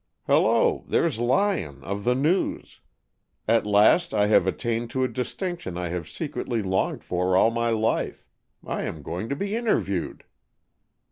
Hello, here's Lyon, of the News. At last I have attained to a distinction I have secretly longed for all my life. I am going to be interviewed."